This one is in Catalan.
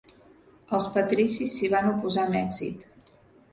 Els patricis s’hi van oposar amb èxit.